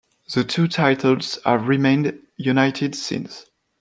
The two titles have remained united since.